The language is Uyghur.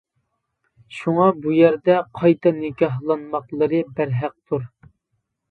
شۇڭا، بۇ يەردە قايتا نىكاھلانماقلىرى بەرھەقتۇر.